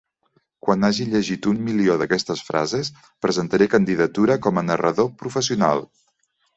Quan hagi llegit un milió d'aquestes frases, presentaré candidatura com a narrador professional.